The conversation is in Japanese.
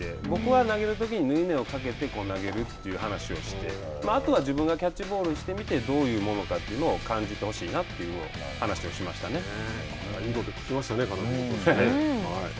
僕は投げるときに縫い目をかけて投げるという話をしてあとは自分がキャッチボールをしてみてどういうものかというのを感じてほしいなという話をしましたね。